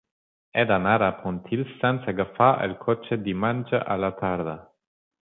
He d'anar a Pontils sense agafar el cotxe diumenge a la tarda.